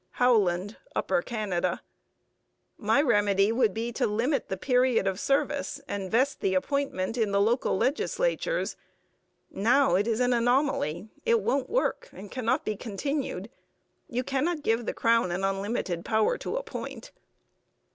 HOWLAND (Upper Canada) My remedy would be to limit the period of service and vest the appointment in the local legislatures. Now, it is an anomaly. It won't work and cannot be continued. You cannot give the crown an unlimited power to appoint.